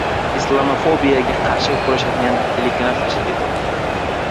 Islomofobiyaga qarshi kurashadigan telekanal tashkil etiladi